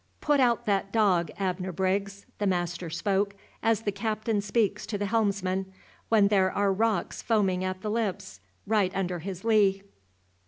"Put out that dog, Abner Briggs!" The master spoke as the captain speaks to the helmsman, when there are rocks foaming at the lips, right under his lee.